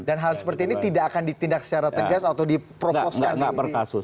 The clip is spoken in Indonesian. dan hal seperti ini tidak akan ditindak secara tegas atau diprovoskan